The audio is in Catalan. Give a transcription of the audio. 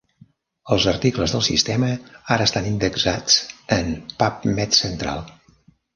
Els articles del sistema ara estan indexats en PubMed Central.